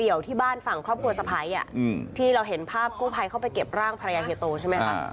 ที่บ้านฝั่งครอบครัวสะพ้ายที่เราเห็นภาพกู้ภัยเข้าไปเก็บร่างภรรยาเฮียโตใช่ไหมคะ